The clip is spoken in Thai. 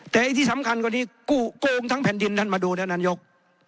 แต่ที่สำคัญกันนี้กูโกงทั้งแผ่นดินนั้นมาดูนะนัยยก